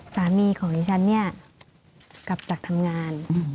สามีของนี่ฉันกลับจากทำงาน